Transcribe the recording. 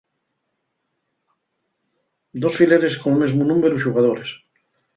Dos fileres col mesmu númberu xugadores.